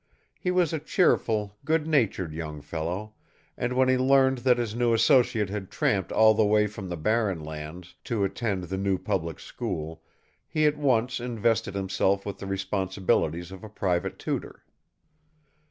He was a cheerful, good natured young fellow, and when he learned that his new associate had tramped all the way from the Barren Lands to attend the new public school, he at once invested himself with the responsibilities of a private tutor.